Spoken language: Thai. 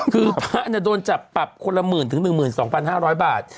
คือพระโจรสจับปรับ๑ถึง๑๒๕๐๐บาท